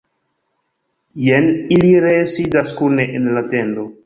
Jen ili ree sidas kune en la tendo!